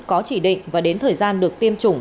có chỉ định và đến thời gian được tiêm chủng